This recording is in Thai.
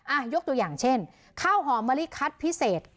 ยกตัวอย่างเช่นข้าวหอมมะลิคัดพิเศษ